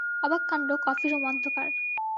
অবাক কাণ্ড, কফিরুম অন্ধকার।